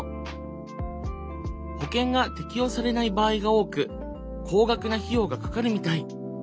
保険が適用されない場合が多く高額な費用がかかるみたい。